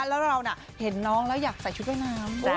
แล้วเราเห็นน้องแล้วอยากใส่ชุดว่ายน้ำ